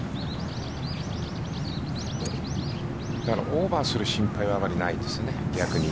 オーバーする心配はあまりないですよね、逆に。